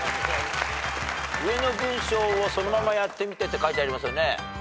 「上の文章をそのままやってみて」って書いてありますよね。